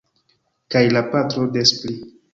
Kaj la patro des pli.